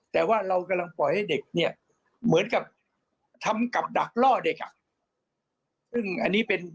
แต่ว่าเรากำลังปล่อยให้เด็กเนี่ยเหมือนกับทำกับดักล่อเด็ก